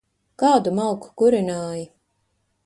Kādu malku kurināji?